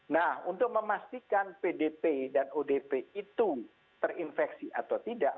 nah untuk memastikan pdp dan odp itu terinfeksi atau tidak